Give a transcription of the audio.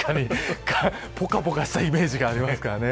ぽかぽかしたイメージがありますからね。